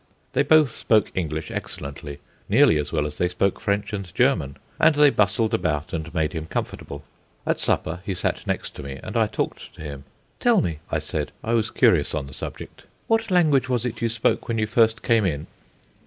They both spoke English excellently, nearly as well as they spoke French and German; and they bustled about and made him comfortable. At supper he sat next to me, and I talked to him. "Tell me," I said I was curious on the subject "what language was it you spoke when you first came in?"